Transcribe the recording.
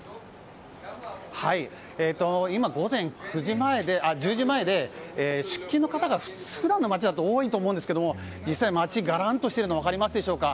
今、午前１０時前で出勤の方が普段の街だと多いと思うんですけども実際、街ががらんとしているの分かりますでしょうか。